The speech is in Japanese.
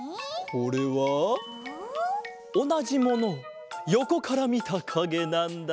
これはおなじものをよこからみたかげなんだ。